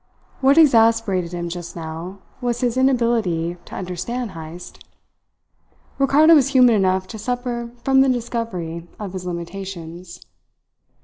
What exasperated him just now was his inability to understand Heyst. Ricardo was human enough to suffer from the discovery of his limitations.